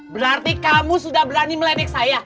berarti kamu sudah berani meledek saya